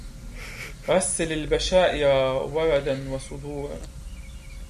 رسل البشائر ورد وصدور